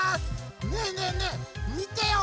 ねえねえねえみてよ